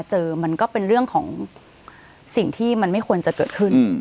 เจอมันก็เป็นเรื่องของสิ่งที่มันไม่ควรจะเกิดขึ้น